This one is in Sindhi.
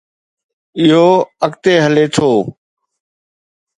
اهو اڳتي هلي ٿو.